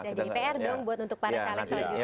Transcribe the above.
jadi pr dong buat untuk para caleg selanjutnya